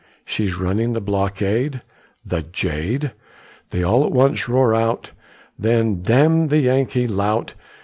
she's running the blockade, The jade!" They all at once roar out, Then "Damn the Yankee lout!"